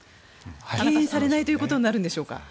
敬遠されないということになるんでしょうか。